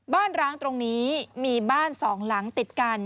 ร้างตรงนี้มีบ้านสองหลังติดกัน